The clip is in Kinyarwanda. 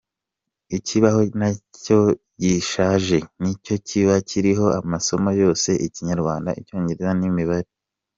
Ikibaho nacyo gishaje, nicyo kiba kiriho amasomo yose ikinyarwanda ,icyongereza n’imibare.